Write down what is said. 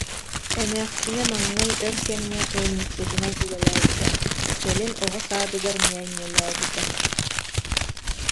Эмээхсинэ маҥнай өр кэмҥэ ыанньыксытынан үлэлээбитэ, кэлин оҕо саадыгар ньээньэлээбитэ